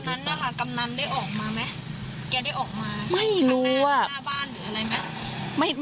กำนันได้ออกมาไหมไม่รู้